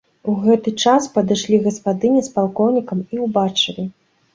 У гэты час падышлі гаспадыня з палкоўнікам і ўбачылі.